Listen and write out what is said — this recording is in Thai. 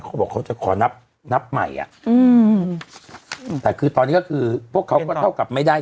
เขาบอกเขาจะขอนับนับใหม่อ่ะอืมแต่คือตอนนี้ก็คือพวกเขาก็เท่ากับไม่ได้